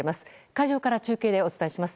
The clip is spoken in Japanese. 会場から中継でお伝えします。